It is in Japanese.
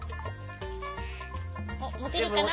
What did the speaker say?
おっもてるかな？